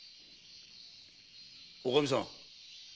おかみさん。